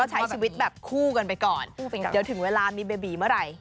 ใช้ชีวิตแบบคู่กันไปก่อนเดี๋ยวถึงเวลามีเบบีเมื่อไหร่